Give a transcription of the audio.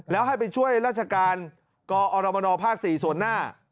แล้วให้ไปช่วยราชการกอรมนภ๔ส่วนหน้า